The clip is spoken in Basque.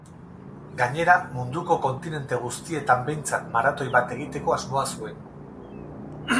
Gainera, munduko kontinente guztietan behintzat maratoi bat egiteko asmoa zuen.